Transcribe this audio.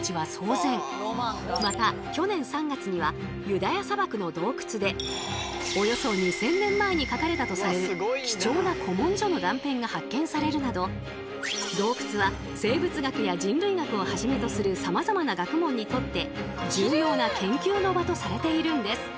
また去年３月にはユダヤ砂漠の洞窟でおよそ２，０００年前に書かれたとされる貴重な古文書の断片が発見されるなど洞窟は生物学や人類学をはじめとするさまざまな学問にとって重要な研究の場とされているんです。